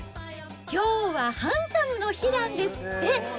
きょうはハンサムの日なんですって。